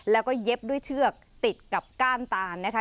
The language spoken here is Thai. แล้วก็เย็บด้วยเชือกติดกับก้านตานนะคะ